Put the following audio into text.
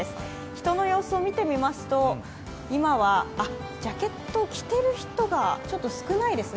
人の様子を見てみますと今はジャケットを着ている人が少ないです。